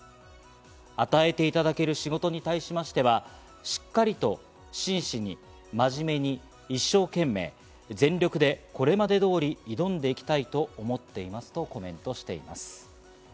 与えていただける仕事に対しましてはしっかりと真摯にまじめに一生懸命、全力でこれまで通り挑んでいきたいと思っていますとコメントしています。